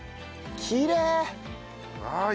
きれい！